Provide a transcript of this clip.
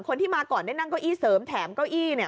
คนที่มาก่อนได้นั่งเก้าอี้เสริมแถมเก้าอี้เนี่ย